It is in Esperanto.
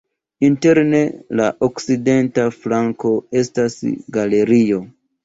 Interne en la okcidenta flanko estas galerio.